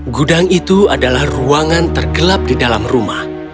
gudang itu adalah ruangan tergelap di dalam rumah